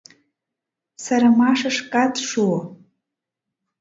Сырымашышкат шуо.